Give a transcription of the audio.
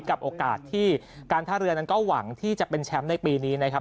กับโอกาสที่การท่าเรือนั้นก็หวังที่จะเป็นแชมป์ในปีนี้นะครับ